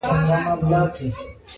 که دیدن کړې ګودر ته راسه-